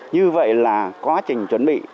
như vậy là quá trình chuẩn bị